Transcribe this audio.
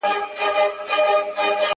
• هغې ويل اور.